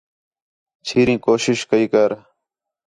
چھیریں کوشش کَئی ہِے